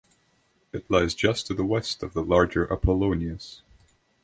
It lies just to the west of the larger Apollonius.